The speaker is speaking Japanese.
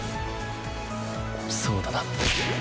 そうだな。